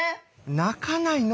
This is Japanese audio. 泣かないの！